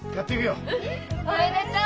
うん！おめでとう！